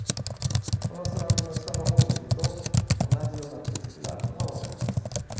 このスラブの下の方を見ると同じような物質があるのが分かります。